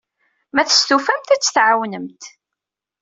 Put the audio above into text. Ma testufamt, ad tt-tɛawnemt.